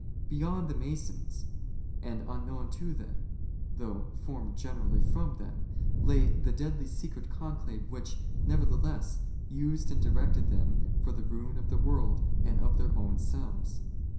Beyond the Masons, and unknown to them, thougli formed generally from them, lay the deadly secret conclave which, nevertheless, used and directed them for the ruin of the world and of their own selves.